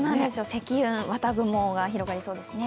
積雲、綿雲が広がりそうですね。